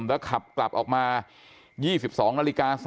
แล้วขับกลับออกมา๒๒น๓๙น